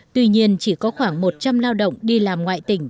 tuy nhiên chỉ có khoảng một trăm linh lao động đi làm ngoại tỉnh